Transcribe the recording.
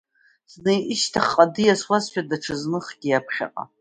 Зны ишьҭахьҟа диасуазшәа, даҽазныхгьы иаԥхьаҟа.